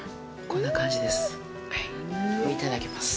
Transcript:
こんな感じです。